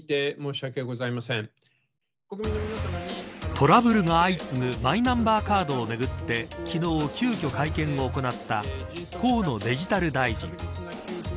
トラブルが相次ぐマイナンバーカードをめぐって昨日、急きょ会見を行った河野デジタル大臣。